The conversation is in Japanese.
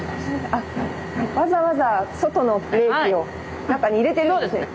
あっわざわざ外の冷気を中に入れてるんですね。